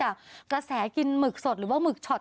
กลัว